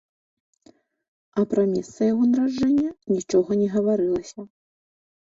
А пра месца яго нараджэння нічога не гаварылася.